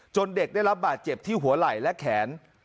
เด็กได้รับบาดเจ็บที่หัวไหล่และแขน